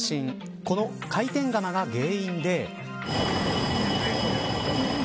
この回転釜が原因で。